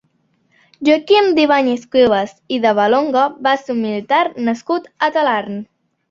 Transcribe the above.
Joaquim d'Ibáñez-Cuevas i de Valonga va ser un militar nascut a Talarn.